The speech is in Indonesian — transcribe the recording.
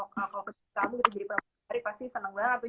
kalau kecil kamu jadi pemakai pasti senang banget